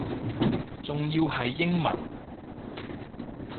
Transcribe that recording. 仲要係英文